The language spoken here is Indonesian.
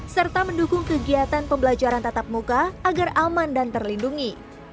serta mendukung kegiatan pembelajaran tatap muka agar aman dan terlindungi